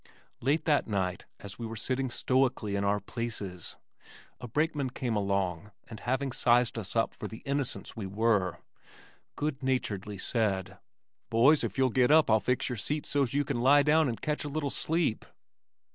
Late that night as we were sitting stoically in our places, a brakeman came along and having sized us up for the innocents we were, good naturedly said, "Boys, if you'll get up I'll fix your seats so's you can lie down and catch a little sleep."